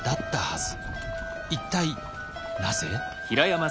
一体なぜ？